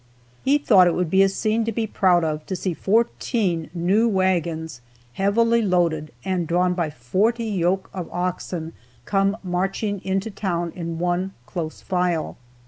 He thought it would be a scene to be proud of to see fourteen new wagons, heavily loaded and drawn by forty yoke of oxen, come marching into town in one close file.